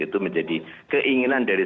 itu menjadi keinginan dari